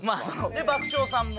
で爆笑さんも。